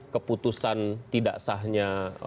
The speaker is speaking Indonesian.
keputusan tidak sahnya